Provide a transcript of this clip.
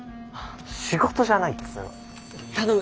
仕事じゃないっつーの。